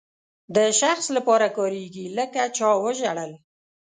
د شخص لپاره کاریږي لکه چا وژړل.